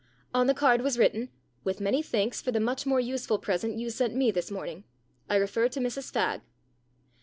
On the card was written :" With many thanks for the much more useful present you sent me this morning I refer to Mrs Fagg."